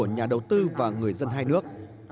nhà đầu tư và người dân hai nước